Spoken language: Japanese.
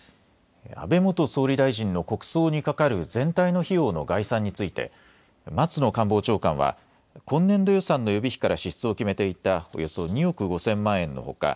安倍元総理大臣の国葬にかかる全体の費用の概算について松野官房長官は今年度予算の予備費から支出を決めていたおよそ２億５０００万円のほか